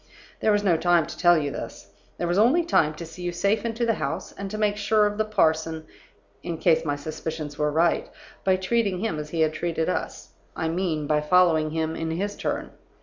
There was no time to tell you this. There was only time to see you safe into the house, and to make sure of the parson (in case my suspicions were right) by treating him as he had treated us; I mean, by following him in his turn.